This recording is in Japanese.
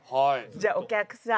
じゃあお客さん